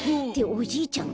おじいちゃん